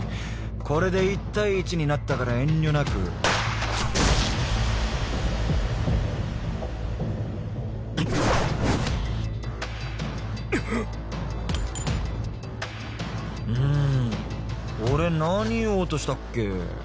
これで１対１になったから遠慮なくうん俺何言おうとしたっけ？